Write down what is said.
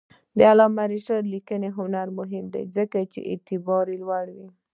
د علامه رشاد لیکنی هنر مهم دی ځکه چې اعتبار لوړوي.